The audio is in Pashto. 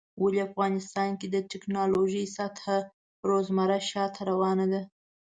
ولی افغانستان کې د ټيکنالوژۍ سطحه روزمره شاته روانه ده